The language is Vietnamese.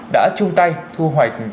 đã chung tay thu hoạch